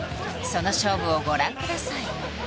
その勝負をご覧ください